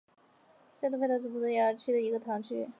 塞多费塔是葡萄牙波尔图区的一个堂区。